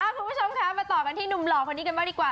คุณผู้ชมคะมาต่อกันที่หนุ่มหล่อคนนี้กันบ้างดีกว่า